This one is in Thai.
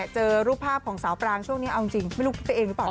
เจอรูปภาพของสาวปรางช่วงนี้เอาจริงไม่รู้ตัวเองหรือเปล่า